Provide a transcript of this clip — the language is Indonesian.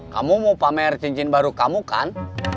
kamu mau pamer cincin baru kamu kan